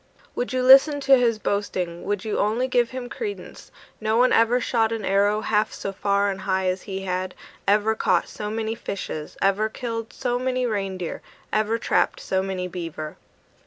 Would you listen to his boasting, Would you only give him credence, No one ever shot an arrow Half so far and high as he had; Ever caught so many fishes, Ever killed so many reindeer, Ever trapped so many beaver!